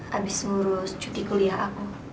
habis ngurus cuti kuliah aku